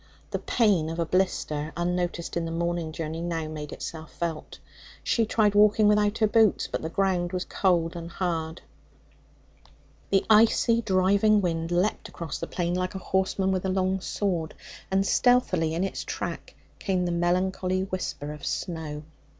The pain of a blister, unnoticed in the morning journey, now made itself felt; she tried walking without her boots, but the ground was cold and hard. The icy, driving wind leapt across the plain like a horseman with a long sword, and stealthily in its track came the melancholy whisper of snow.